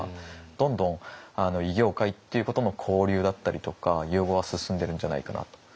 どんどん異業界っていうことの交流だったりとか融合は進んでるんじゃないかなと。